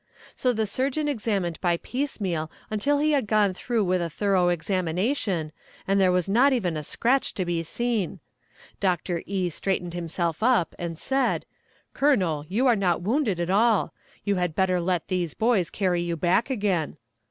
So the surgeon examined by piecemeal until he had gone through with a thorough examination, and there was not even a scratch to be seen. Doctor E. straightened himself up and said, "Colonel, you are not wounded at all; you had better let these boys carry you back again."